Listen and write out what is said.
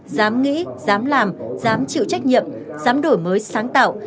dám nghĩ dám làm dám chịu trách nhiệm dám đổi mới sáng tạo